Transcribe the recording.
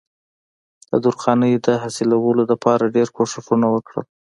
د درخانۍ د حاصلولو د پاره ډېر کوششونه وکړل